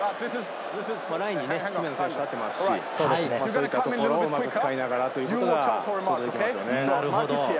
姫野選手が入っていますし、そういうところをうまく使いながらというのが想像できますね。